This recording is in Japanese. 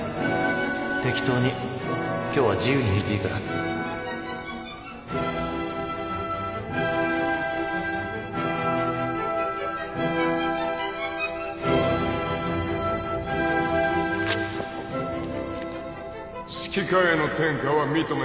適当に今日は自由に弾いていいからあっ指揮科への転科は認め